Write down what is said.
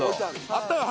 あったよ